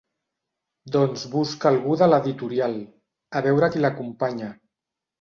Doncs busca algú de l'editorial, a veure qui l'acompanya.